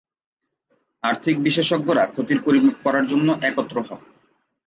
আর্থিক বিশেষজ্ঞরা ক্ষতির পরিমাপ করার জন্য একত্র হন।